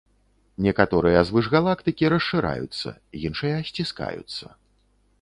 Некаторыя звышгалактыкі расшыраюцца, іншыя сціскаюцца.